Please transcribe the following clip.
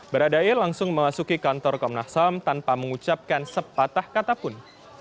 barada e langsung memasuki kantor komnas ham tanpa mengucapkan sepatah katapun